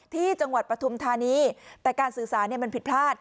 ที่จังหวัดประทุมธานีแต่การสื่อสารเนี้ยมันผิดพลาด